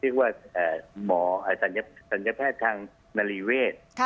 เรียกว่าหมอสัญแพทย์ทางนารีเวศ